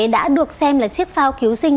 đã được xem là chiếc phao cứu sinh